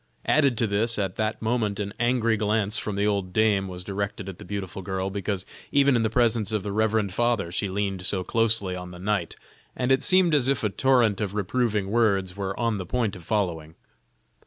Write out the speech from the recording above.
Added to this, at that moment an angry glance from the old dame was directed at the beautiful girl, because even in the presence of the reverend father she leaned so closely on the knight, and it seemed as if a torrent of reproving words were on the point of following.